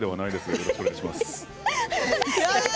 よろしくお願いします。